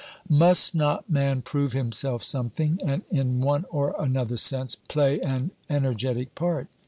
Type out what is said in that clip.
Must not man prove himself something, and, in one or another sense, play an energetic part?